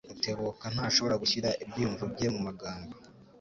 Rutebuka ntashobora gushyira ibyiyumvo bye mumagambo.